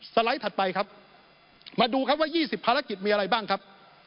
ไลด์ถัดไปครับมาดูครับว่า๒๐ภารกิจมีอะไรบ้างครับ